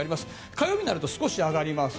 火曜日になると少し上がります。